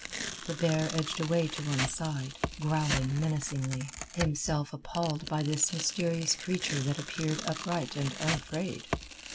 The bear edged away to one side, growling menacingly, himself appalled by this mysterious creature that appeared upright and unafraid.